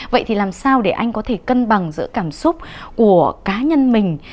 vậy thì làm sao để anh có thể cân bằng giữa cảm xúc của cá nhân mình